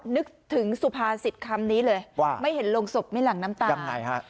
นึกถึงสุภาษิตคำนี้เลยว่าไม่เห็นโรงศพไม่หลั่งน้ำตายังไงฮะ